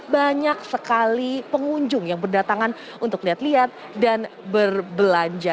banyak sekali pengunjung yang berdatangan untuk lihat lihat dan berbelanja